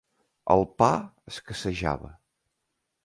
El pa escassejava